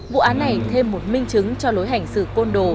vụ án này thêm một minh chứng cho lối hành xử côn đồ